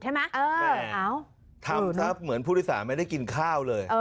ทำที่เหมือนผู้โดยสารไม่ได้กินข้าวเลย